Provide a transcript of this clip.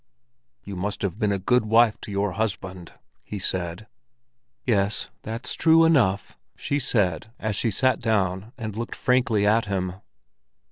"You must have been a good wife to your husband," he said. "Yes, that's true enough!" she said, as she sat down and looked frankly at him.